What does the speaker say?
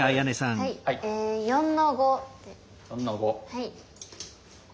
はい。